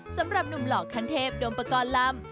สำหรับหนุ่มหลอกคันเทพโดมประกอลลำ